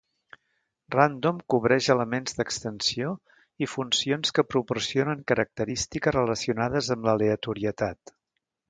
"Random" cobreix elements d'extensió i funcions que proporcionen característiques relacionades amb l'aleatorietat.